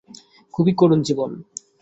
খুবই করুণ জীবন।